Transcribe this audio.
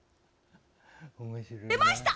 出ました！